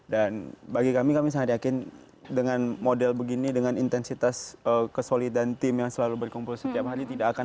dan bagi kami kami sangat yakin dengan model begini dengan intensitas kesolidan tim yang selalu berkumpul setiap hari